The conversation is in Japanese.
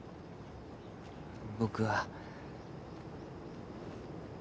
僕は。